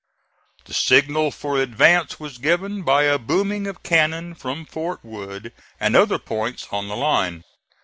The signal for advance was given by a booming of cannon from Fort Wood and other points on the line.